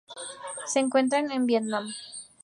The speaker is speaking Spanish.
Se encuentran en Vietnam.